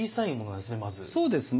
そうですね。